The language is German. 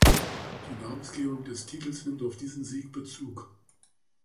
Die Namensgebung des Titels nimmt auf diesen Sieg Bezug.